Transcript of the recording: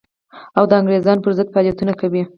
او د انګرېزانو پر ضد فعالیتونه کوي.